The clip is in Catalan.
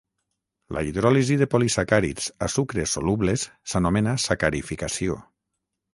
La hidròlisi de polisacàrids a sucres solubles s'anomena sacarificació.